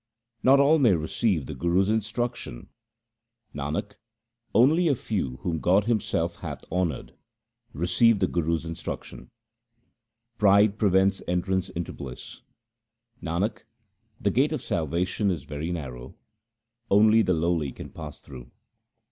Not all may receive the Guru's instruction :— Nanak, only a few whom God Himself hath honoured, Receive the Guru's instruction. Pride prevents entrance into bliss :— Nanak, the gate of salvation is very narrow ; only the lowly can pass through.